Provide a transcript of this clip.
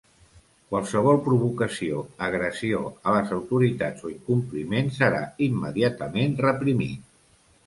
Qualsevol provocació, agressió a les autoritats o incompliment serà immediatament reprimit.